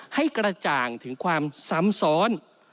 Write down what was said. ให้กระจ่างถึงความซ้ำซ้อน